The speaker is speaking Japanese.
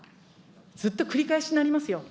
ずっと繰り返しになりますよ。